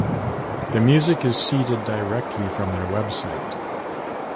The music is seeded directly from their website.